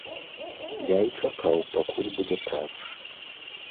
Я і чакаў, пакуль будзе транш.